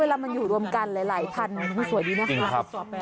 เวลามันอยู่รวมกันหลายพันธุ์มันมันสวยดีนะครับ